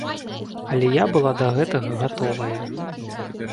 Але я была да гэтага гатовая.